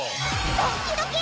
ドッキドキ！